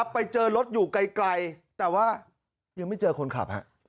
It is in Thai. ไปเจอรถอยู่ไกลแต่ว่ายังไม่เจอคนขับ